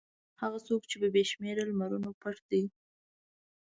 هغه څوک چې په بې شمېره لمرونو پټ دی.